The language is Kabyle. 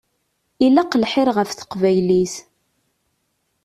Ilaq lḥir ɣef teqbaylit.